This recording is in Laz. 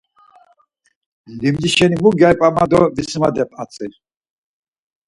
Limci şeni mu gyari p̌a ma do visimadep atzi.